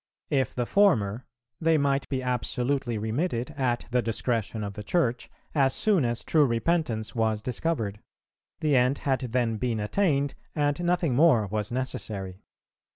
If the former, they might be absolutely remitted at the discretion of the Church, as soon as true repentance was discovered; the end had then been attained, and nothing more was necessary.